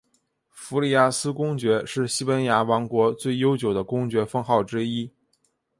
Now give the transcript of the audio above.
弗里亚斯公爵是西班牙王国最悠久的公爵封号之一。